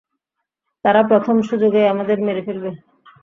তারা প্রথম সুযোগেই আমাদের মেরে ফেলবে।